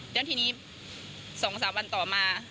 แล้วทีนี้๒๓วันต่อมา